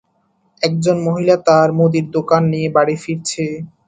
একজন মহিলা তার মুদির দোকান নিয়ে বাড়ি ফিরছে।